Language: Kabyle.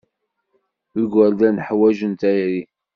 Igerdan ḥwajen tayri.